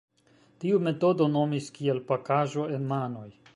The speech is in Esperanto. Tiu metodo nomis kiel "Pakaĵo en manoj".